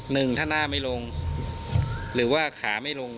หนึ่งถ้าหน้าไม่ลงหรือว่าขาไม่ลง